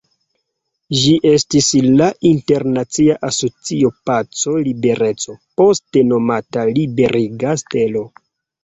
Ĝi estis la Internacia Asocio Paco-Libereco, poste nomata Liberiga Stelo.